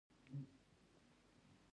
سندره له غږ نه رنګ جوړوي